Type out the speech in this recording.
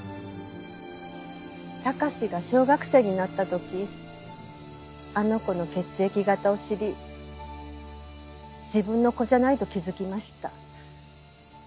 貴史が小学生になった時あの子の血液型を知り自分の子じゃないと気づきました。